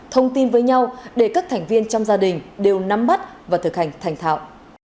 thông tin với nhau để các thành viên trong gia đình đều nắm bắt và thực hành thành thạo